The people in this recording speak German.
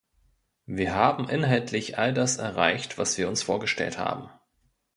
Wir haben inhaltlich all das erreicht, was wir uns vorgestellt haben.